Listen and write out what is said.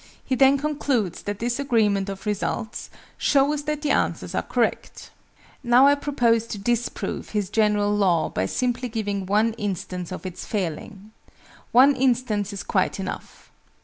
He then concludes that this agreement of results "shows that the answers are correct." Now I propose to disprove his general law by simply giving one instance of its failing. One instance is quite enough.